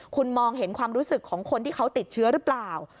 คุณมองเห็นความรู้สึกของคนที่เขาติดเชื้อหรือเปล่า